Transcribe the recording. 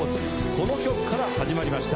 この曲から始まりました。